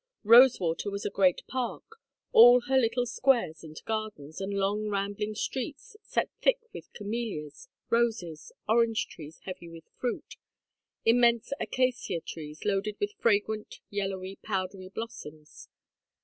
Rosewater was a great park, all her little squares and gardens, and long rambling streets, set thick with camellias, roses, orange trees heavy with fruit, immense acacia trees loaded with fragrant yellow powdery blossoms.